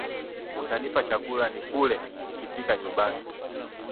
Utanipa chakula nikule nikifika nyumbani